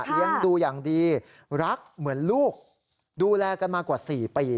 เลี้ยงดูอย่างดีรักเหมือนลูกดูแลกันมากว่า๔ปี